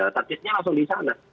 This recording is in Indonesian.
targetnya langsung di sana